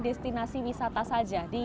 destinasi wisata saja di